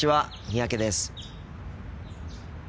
三宅です。